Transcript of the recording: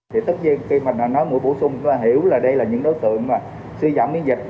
thì tất nhiên khi mình đã nói mũi bổ sung chúng ta hiểu là đây là những đối tượng mà suy giảm miễn dịch